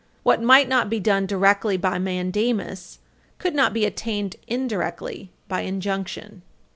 "What might not be done directly by mandamus could not be attained indirectly by injunction."